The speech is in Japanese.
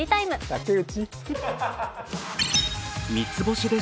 竹内！